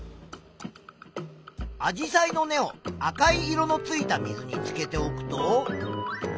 アジサイの根を赤い色のついた水につけておくと。